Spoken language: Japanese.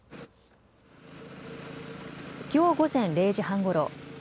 きょう午前０時半ごろ